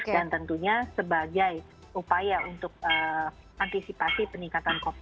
dan tentunya sebagai upaya untuk antisipasi peningkatan mobilitas